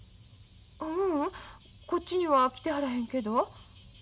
ううんこっちには来てはらへんけど。